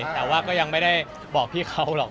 แต่ว่าก็ยังไม่ได้บอกพี่เขาหรอก